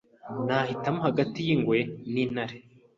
Nahitamo hagati y’inngwe n’intare